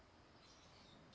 tidak ada yang bisa dikawal